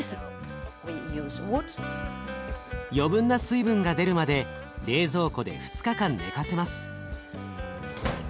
余分な水分が出るまで冷蔵庫で２日間寝かせます。